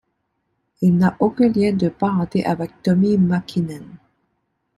Il n'a aucun lien de parenté avec Tommi Mäkinen.